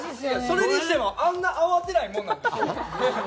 それにしてもあんな慌てないもんなんですか？